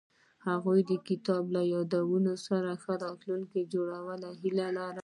هغوی د کتاب له یادونو سره راتلونکی جوړولو هیله لرله.